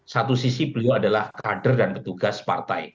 satu sisi beliau adalah kader dan petugas partai